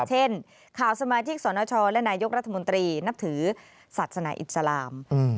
เช่นข่าวสมาชิกสนชและนายกรัฐมนตรีนับถือศาสนาอิสลาม